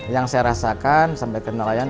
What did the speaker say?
yang saya rasakan sampai ke nelayan